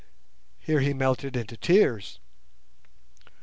Here he melted into tears.